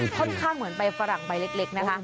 ค่อนข้างเหมือนใบฝรั่งใบเล็กนะคะ